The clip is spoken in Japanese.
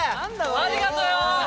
ありがとよ！